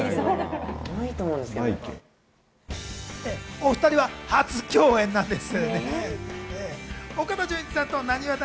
お２人は初共演なんです。